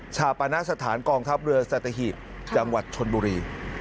ชาปณะสถานกองทัพเรือสัตหีบจังหวัดชนบุรี